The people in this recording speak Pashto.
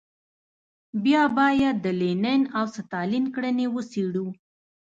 بیا باید د لینین او ستالین کړنې وڅېړو.